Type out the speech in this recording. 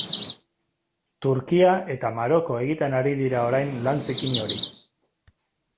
Turkia eta Maroko egiten ari dira orain lan zikin hori.